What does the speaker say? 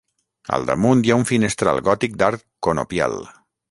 Al damunt hi ha un finestral gòtic d'arc conopial.